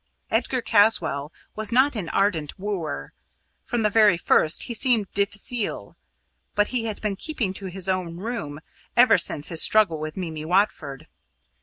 Edgar Caswall was not an ardent wooer. From the very first he seemed difficile, but he had been keeping to his own room ever since his struggle with Mimi Watford.